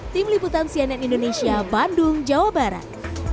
tim liputan cnn indonesia bandung jawa barat